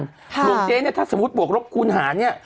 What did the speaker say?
หลวงเจ๊เนี่ยถ้าสมมุติบวกลบคูณหาเนี่ย